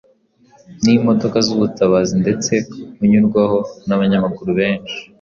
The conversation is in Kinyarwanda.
n’imodoka z’ubutabazi ndetse unyurwaho n’abanyamaguru benshi